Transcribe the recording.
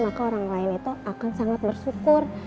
maka orang lain itu akan sangat bersyukur